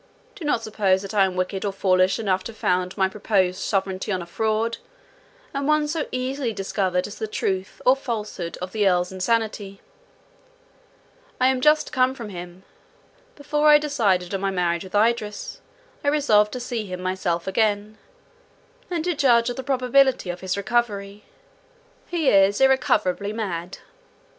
Do not suppose that I am wicked or foolish enough to found my purposed sovereignty on a fraud, and one so easily discovered as the truth or falsehood of the Earl's insanity. I am just come from him. Before I decided on my marriage with Idris, I resolved to see him myself again, and to judge of the probability of his recovery.—He is irrecoverably mad."